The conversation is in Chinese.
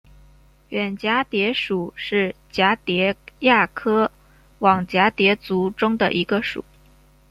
远蛱蝶属是蛱蝶亚科网蛱蝶族中的一个属。